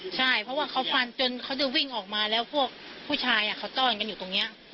ใช่เพราะว่าเขาฟันจนเขาจะวิ่งออกมาแล้วพวกผู้ชายเขาต้อนกันอยู่ตรงนี้